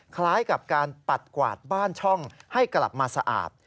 คล้ายกับการปัดกวาดบ้านช่องให้กลับมาสะอาด